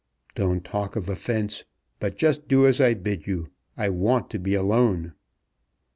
"Don't talk of offence, but just do as I bid you. I want to be alone."